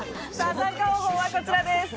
参加方法は、こちらです。